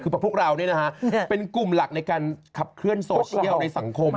คือพวกเราเป็นกลุ่มหลักในการขับเคลื่อนโซเชียลในสังคม